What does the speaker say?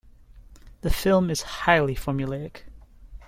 The film is highly formulaic.